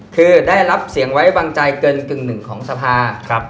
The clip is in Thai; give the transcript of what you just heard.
คือได้รับเสียงไว้วางใจเกินกึ่งหนึ่งของสภา